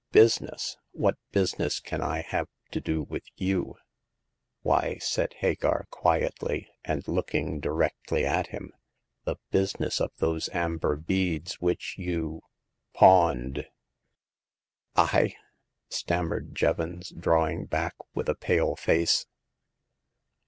" Business ! What business can I have to do w^ith you ?"" Why," said Hagar, quietly, and looking di rectly at him, "the business ofthose amber beads which you— pawned." " I," stammered Jevons, drawing back with a pale face.